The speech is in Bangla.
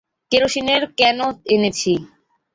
কেরোসিনের ক্যানও এনেছি।